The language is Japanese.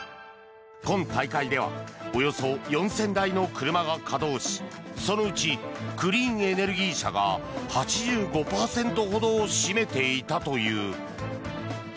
今大会ではおよそ４０００台の車が稼働しそのうちクリーンエネルギー車が８５％ほどを占めていたという。